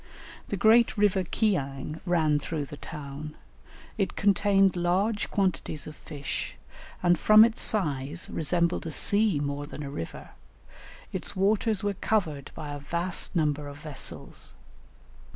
The great river Kiang ran through the town: it contained large quantities of fish, and from its size resembled a sea more than a river; its waters were covered by a vast number of vessels.